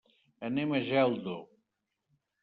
Anem a Geldo.